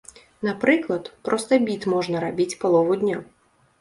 Напрыклад, проста біт можна рабіць палову дня.